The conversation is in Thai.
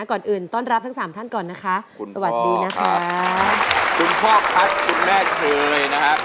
คุณพ่อคัทคุณแม่เธอยนะครับ